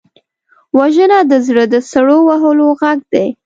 وژنه د زړه د سړو وهلو غږ دی